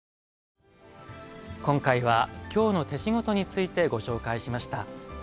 今回は「京の手しごと」についてご紹介しました。